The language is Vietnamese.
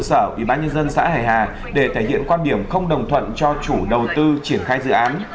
công an đã đồng ý bán nhân dân xã hải hà để thể hiện quan điểm không đồng thuận cho chủ đầu tư triển khai dự án